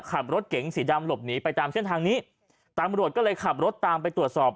ขับรถเก๋งสีดำหลบหนีไปตามเส้นทางนี้ตำรวจก็เลยขับรถตามไปตรวจสอบ